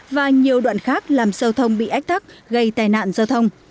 và nhiều đoạn khác làm giao thông bị ách thắt gây tài nạn giao thông